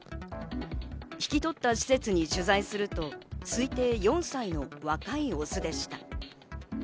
引き取った施設に取材すると、推定４歳の若いオスでした。